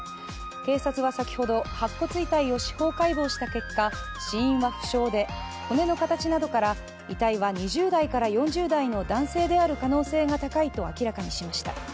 警察は先ほど、白骨遺体を司法解剖した結果死因は不詳で、骨の形などから遺体は２０代から４０代の男性である可能性が高いと明らかにしました。